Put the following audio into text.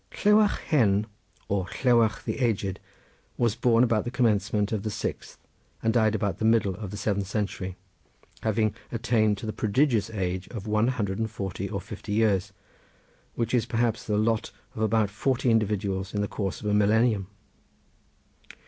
Llewarch Hen, or Llewarch the Aged, was born about the commencement of the sixth and died about the middle of the seventh century, having attained to the prodigious age of one hundred and forty or fifty years, which is perhaps the lot of about forty individuals in the course of a millenium.